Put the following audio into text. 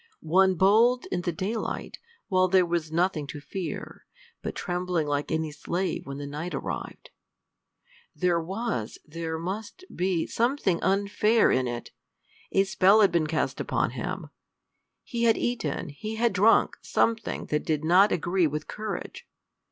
one bold in the daylight, while there was nothing to fear, but trembling like any slave when the night arrived. There was, there must be, something unfair in it! A spell had been cast upon him! He had eaten, he had drunk, something that did not agree with courage.